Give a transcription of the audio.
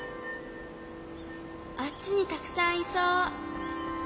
あっちにたくさんいそう。